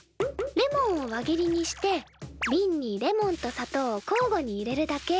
レモンを輪切りにしてビンにレモンと砂糖をこうごに入れるだけ。